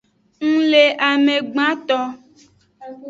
Ng le ame gbanto.